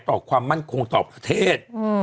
ต่อความมั่นคงต่อประเทศ